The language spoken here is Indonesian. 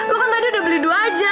gue kan tadi udah beli dua aja